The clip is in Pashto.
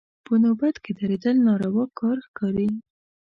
په نوبت کې درېدل ناروا کار ښکاري.